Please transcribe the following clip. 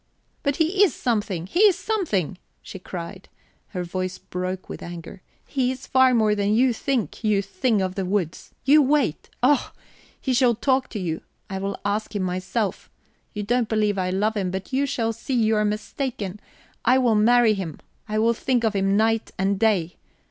"But he is something, he is something," she cried, and her voice broke with anger. "He is far more than you think, you thing of the woods. You wait. Oh, he shall talk to you I will ask him myself. You don't believe I love him, but you shall see you are mistaken. I will marry him; I will think of him night and day.